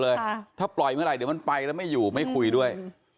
อายุเยอะทั้งนั้นเลย